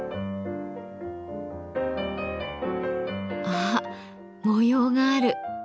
あっ模様がある。